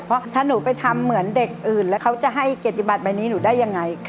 เพราะถ้าหนูไปทำเหมือนเด็กอื่นแล้วเขาจะให้เกียรติบัติใบนี้หนูได้ยังไง